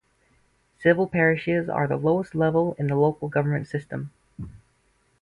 Civil parishes are the lowest level in the local government system.